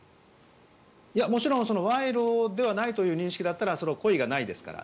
もちろん賄賂ではないという認識だったらそれは故意がないですから。